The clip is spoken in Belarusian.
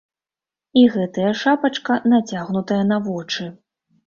І гэтая шапачка нацягнутая на вочы.